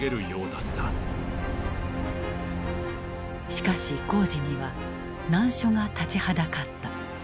しかし工事には難所が立ちはだかった。